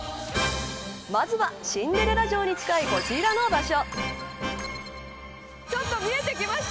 まずは、シンデレラ城に近いこちらの場所。